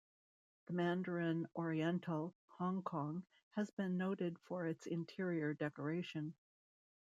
The Mandarin Oriental, Hong Kong has been noted for its interior decoration.